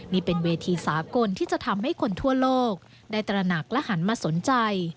นี่เป็นเวทีสากลที่จะทำให้คนทั่วโลกได้ตระหนักและหันมาสนใจ